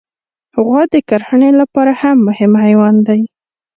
غوا د کرهڼې لپاره مهم حیوان دی.